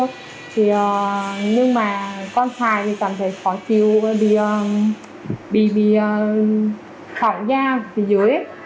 nhưng mà con xài thì cảm thấy khó chịu bị phỏng da phía dưới